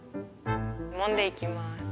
もんでいきます。